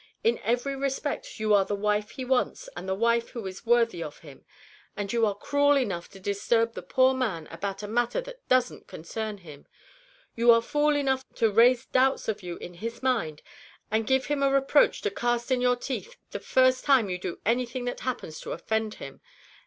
In every respect you are the wife he wants and the wife who is worthy of him. And you are cruel enough to disturb the poor man about a matter that doesn't concern him! you are fool enough to raise doubts of you in his mind, and give him a reproach to cast in your teeth the first time you do anything that happens to offend him!